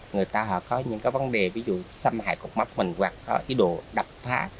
người ta họ có những vấn đề ví dụ xâm hại cột mốc mình hoặc ý đồ đập phá